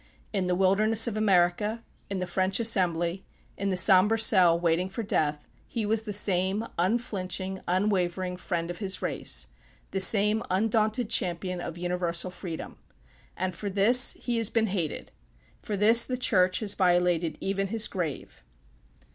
In the wilderness of America, in the French Assembly, in the sombre cell waiting for death, he was the same unflinching, unwavering friend of his race; the same undaunted champion of universal freedom. And for this he has been hated; for this the Church has violated even his grave.